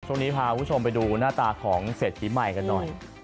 ช่วงนี้พาคุณผู้ชมไปดูหน้าตาของเศรษฐีใหม่กันหน่อย